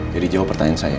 jadi jawab pertanyaan saya